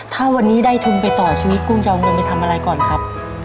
ถ้าวันนี้ได้ทุนไปต่อชีวิตกุ้งจะเอาเงินไปทำอะไรก่อนครับ